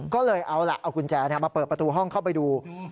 ก็เลยเอาล่ะเอากุญแจมาเปิดประตูห้องเข้าไปดู